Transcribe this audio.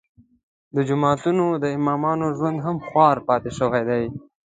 د جوماتونو د امامانو ژوند هم خوار پاتې شوی دی.